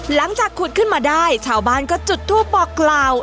หลังจากขุดขึ้นมาได้ชาวบ้านก็จุดทูปบอกกล่าว